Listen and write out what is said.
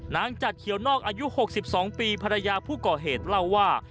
จัดเขียวนอกอายุ๖๒ปีภรรยาผู้ก่อเหตุเล่าว่า